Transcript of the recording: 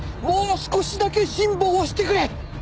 もう少しだけ辛抱をしてくれ！